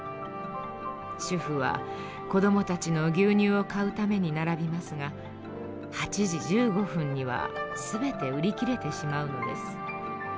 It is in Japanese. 主婦は子どもたちの牛乳を買うために並びますが８時１５分には全て売り切れてしまうのです。